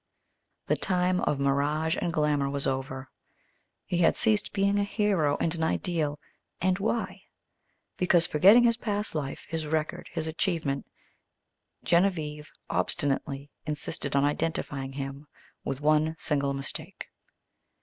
The time of mirage and glamour was over. He had ceased being a hero and an ideal, and why? Because, forgetting his past life, his record, his achievement, Genevieve obstinately insisted on identifying him with one single mistake.